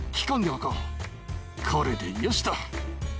これでよしと。